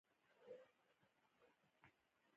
قوه د دوو جسمونو ترمنځ عمل کوي.